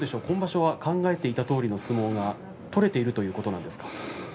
今場所は考えていたとおりの相撲が取れているということなんですか？